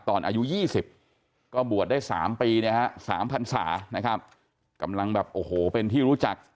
อายุ๒๐ก็บวชได้๓ปีนะฮะ๓พันศานะครับกำลังแบบโอ้โหเป็นที่รู้จัก